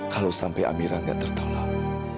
kalau sampai amira gak tertolong